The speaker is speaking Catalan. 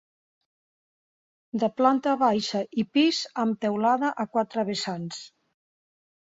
De planta baixa i pis amb teulada a quatre vessants.